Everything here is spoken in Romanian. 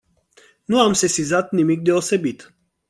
Nu am sesizat nimic deosebit.